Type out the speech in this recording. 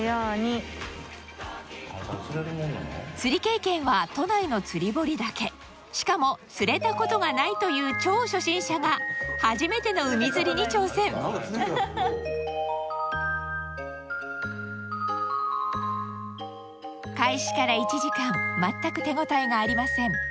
釣り経験は都内の釣堀だけしかも釣れたことがないという超初心者が初めての海釣りに挑戦開始から１時間全く手応えがありません